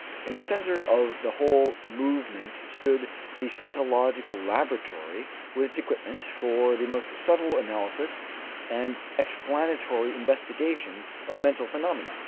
In the center of the whole movement stood the psychological laboratory with its equipment for the most subtle analysis and explanatory investigation of mental phenomena.